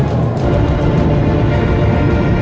jangan lupa untuk berikan duit